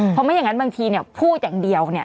เพราะไม่อย่างนั้นบางทีพูดอย่างเดียว